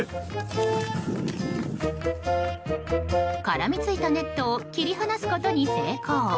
絡みついたネットを切り離すことに成功。